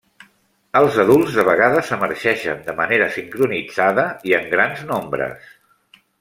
Els adults de vegades emergeixen de manera sincronitzada i en grans nombres.